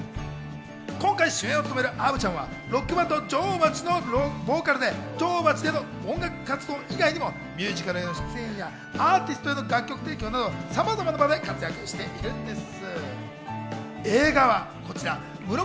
今回主演を務めるアヴちゃんはロックバンド・女王蜂のボーカルで、女王蜂での音楽活動以外にもミュージカルへの出演や、アーティストへの楽曲提供など、さまざまな場で活躍しています。